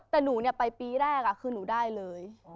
แต่หนูเนี่ยไปปีแรกอะคือหนูได้เลย